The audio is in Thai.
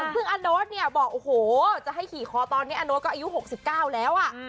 ซึ่งอาโน๊ตเนี่ยบอกโอ้โหจะให้ขี่คอตอนนี้อาโน๊ตก็อายุ๖๙แล้ว